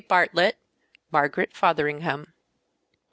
BARTLETT, MARGARET FOTHERINGHAM.